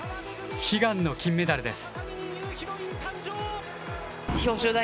悲願の金メダルです。